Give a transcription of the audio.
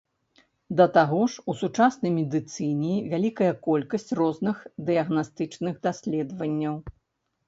Да таго ж, у сучаснай медыцыне вялікая колькасць розных дыягнастычных даследаванняў.